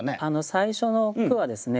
最初の句はですね